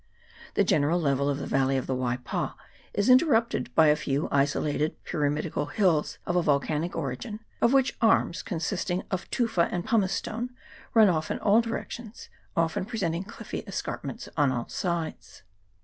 The general level of the valley of the Waipa is interrupted by a few isolated pyramidical hills of a volcanic origin, of which arms, consisting of tufa and pumicestone, run off in all directions, often presenting cliffy escarpments on the sides.